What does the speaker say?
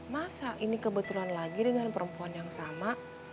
masa ini kebetulan lagi dengan perempuan yang sama